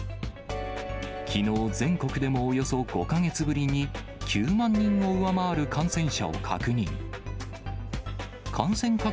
きのう、全国でもおよそ５か月ぶりに９万人を上回る感染者を確認。